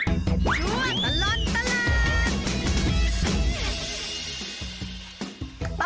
ช่วงตลอดตลาด